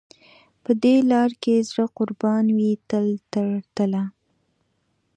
په دې لار کې زړه قربان وي تل تر تله.